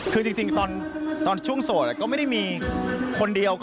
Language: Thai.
คือจริงตอนช่วงโสดก็ไม่ได้มีคนเดียว